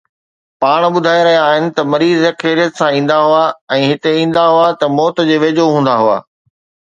پاڻ ٻڌائي رهيا آهن ته مريض خيريت سان ايندا هئا ۽ هتي ايندا هئا ته موت جي ويجهو هوندا هئا